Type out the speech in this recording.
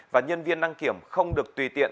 và nhân viên đăng kiểm không được tùy tiện